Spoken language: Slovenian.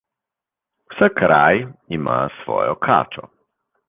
Vsak raj ima svojo kačo.